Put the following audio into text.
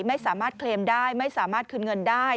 ไม่สามารถเคลมได้ไม่สามารถคืนเงินได้